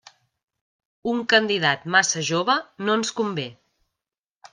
Un candidat massa jove no ens convé.